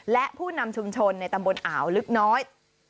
และผู้นำชุมชนในตำบลอ่าวลึกน้อย